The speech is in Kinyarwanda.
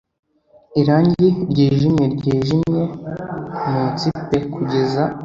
irangi ryijimye ryijimye munsi pe kugeza